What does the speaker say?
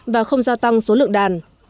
và không gia tăng số lượng đàn